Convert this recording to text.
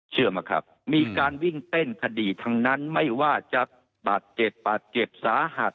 ครับมีการวิ่งเต้นคดีทั้งนั้นไม่ว่าจะบาดเจ็บบาดเจ็บสาหัส